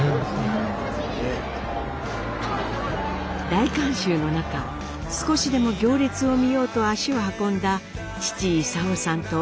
大観衆の中少しでも行列を見ようと足を運んだ父勲さんと母晴子さん。